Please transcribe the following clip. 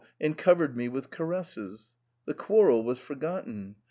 and covered me with caresses. The quarrel was for gotten.